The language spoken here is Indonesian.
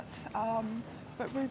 yang menyertai beberapa kompetisi